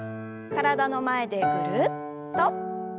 体の前でぐるっと。